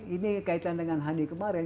ini kaitan dengan hani kemarin